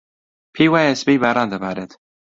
پێی وایە سبەی باران دەبارێت.